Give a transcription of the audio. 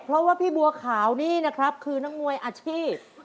เพราะว่าพี่บัวขาวนี่นะครับคือนักมวยอาชีพ